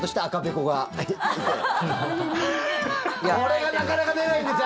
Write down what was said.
これがなかなか出ないんですよ